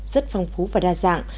rất phong phú và đa dạng